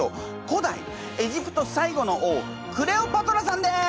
古代エジプト最後の王クレオパトラさんです！